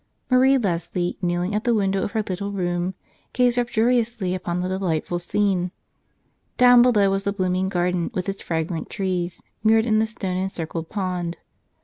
Marie Lesly, kneeling at the window of her little room, gazed rapturously upon the delightful scene. Down below was the blooming garden with its fra¬ grant trees mirrored in the stone encircled pond.